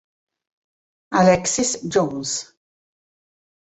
Alexis Jones